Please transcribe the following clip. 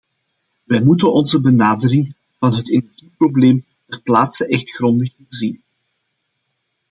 Wij moeten onze benadering van het energieprobleem ter plaatse echter grondig herzien.